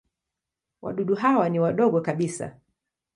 Wadudu hawa ni wadogo kabisa.